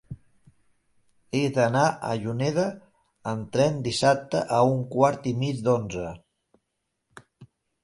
He d'anar a Juneda amb tren dissabte a un quart i mig d'onze.